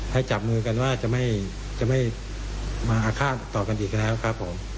ให้จับมือกันว่าจะไม่มาอาฆาตต่อกันอีกแล้วครับผม